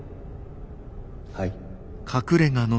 はい。